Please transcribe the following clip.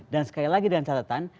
dan sekali lagi dengan catatan